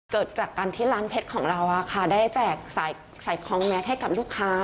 เกิดจากการที่ร้านเพชรของเราได้แจกสายคล้องแมสให้กับลูกค้า